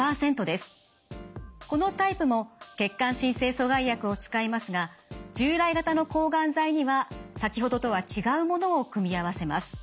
このタイプも血管新生阻害薬を使いますが従来型の抗がん剤には先ほどとは違うものを組み合わせます。